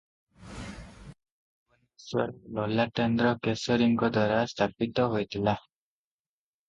ଭୁବନେଶ୍ୱର ଲଲାଟେନ୍ଦ୍ରକେଶରୀଙ୍କଦ୍ୱାରା ସ୍ଥାପିତ ହୋଇଥିଲା ।